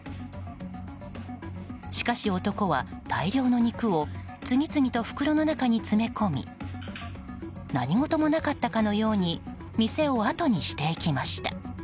しかし男は、大量の肉を次々と袋の中に詰め込み何事もなかったかのように店をあとにしていきました。